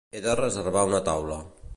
He de reservar una taula.